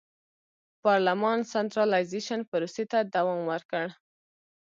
پارلمان سنټرالیزېشن پروسې ته دوام ورکړ.